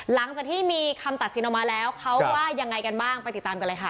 หลังจากที่มีคำตัดสินออกมาแล้วเขาว่ายังไงกันบ้างไปติดตามกันเลยค่ะ